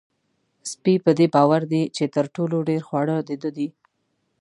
سپی په دې باور دی چې تر ټولو ډېر خواړه د ده دي.